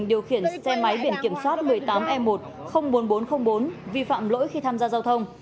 điều khiển xe máy biển kiểm soát một mươi tám e một bốn nghìn bốn trăm linh bốn vi phạm lỗi khi tham gia giao thông